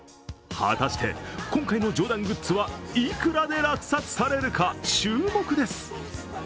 果たして今回のジョーダングッズはいくらで落札されるか注目です。